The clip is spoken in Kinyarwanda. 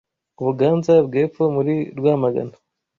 u Buganza bw’Epfo muri Rwamagana